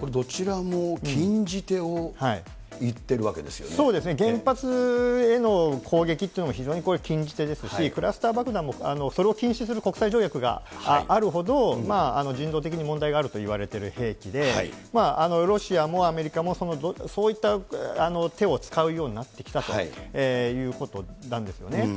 これ、どちらも禁じ手をいっそうですね、原発への攻撃っていうのも、非常にこれ、禁じ手ですし、クラスター爆弾も、それを禁止する国際条約があるほど、人道的に問題があるといわれてる兵器で、ロシアもアメリカもそういった手を使うようになってきたということなんですよね。